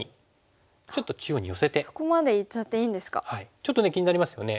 ちょっと気になりますよね。